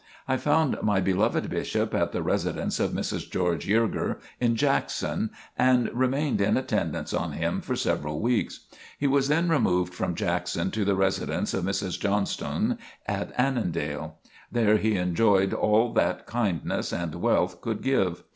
I found my beloved Bishop at the residence of Mrs. George Yerger, in Jackson, and remained in attendance on him for several weeks. He was then removed from Jackson to the residence of Mrs. Johnstone at Annandale. There he enjoyed all that kindness and wealth could give.